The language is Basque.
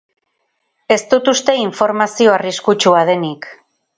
Ez dut uste informazio arriskutsua denik.